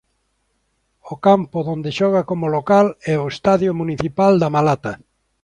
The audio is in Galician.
O campo onde xoga como local é o estadio Municipal da Malata.